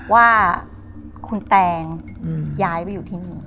ว่าคุณแตงย้ายไปอยู่ที่นี่